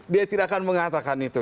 dia tidak akan mengatakan itu